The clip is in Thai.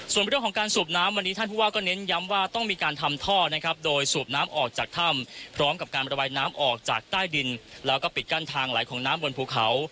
ส่วนเรื่องของการสูบน้ำวันนี้ท่านผู้ว่าก็เน้นย้ำว่าต้องมีการทำท่อนะครับโดยสูบน้ำออกจากถ้ำพร้อมกับการระบายน้ำออกจากใต้ดินแล้วก็ปิดกั้นทางไหลของน้ำบนภูเขา